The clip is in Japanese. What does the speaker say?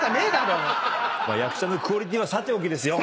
役者のクオリティーはさておきですよ。